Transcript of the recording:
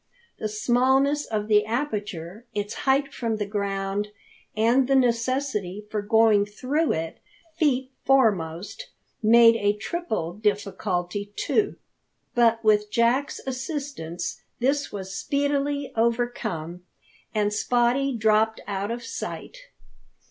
The smallness of the aperture, its height from the ground, and the necessity for going through it feet foremost, made a triple difficulty, too. But with Jack's assistance this was speedily overcome, and Spottie dropped out of sight.